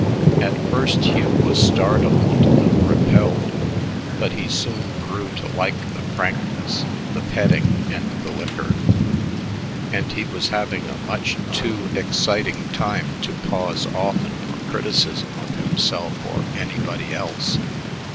At first Hugh was startled and a little repelled, but he soon grew to like the frankness, the petting, and the liquor; and he was having a much too exciting time to pause often for criticism of himself or anybody else.